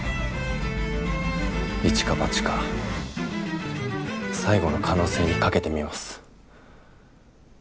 一か八か最後の可能性に賭けてみます